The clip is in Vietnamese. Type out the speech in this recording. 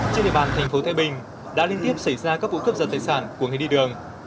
trên địa bàn thành phố thái bình đã liên tiếp xảy ra các vụ cướp giật tài sản của người đi đường